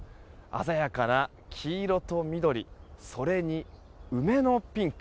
鮮やかな黄色と緑それに梅のピンク。